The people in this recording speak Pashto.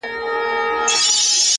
نه خيام سته د توبو د ماتولو-